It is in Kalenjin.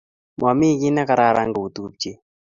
momi kiy nekararan kou tupchet